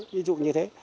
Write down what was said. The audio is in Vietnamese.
ví dụ như thế